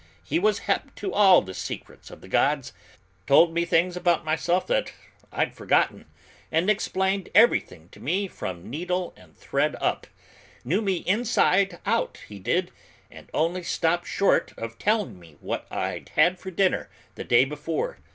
He was hep to all the secrets of the gods: told me things about myself that I'd forgotten, and explained everything to me from needle and thread up; knew me inside out, he did, and only stopped short of telling me what I'd had for dinner the day before.